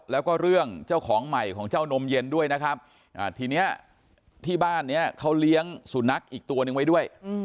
แล้วก็เรื่องเจ้าของใหม่ของเจ้านมเย็นด้วยนะครับทีนี้ที่บ้านนี้เขาเลี้ยงสุนัขอีกตัวนึงไว้ด้วย